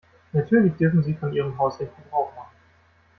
Natürlich dürfen Sie von Ihrem Hausrecht Gebrauch machen.